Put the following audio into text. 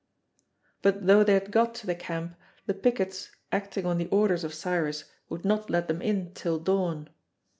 But though they had got to the camp, the pickets, acting on the orders of Cyrus, would not let them in till dawn.